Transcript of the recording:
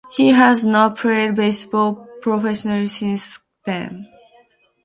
He has not played baseball professionally since then.